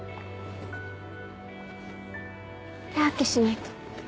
手当てしないと。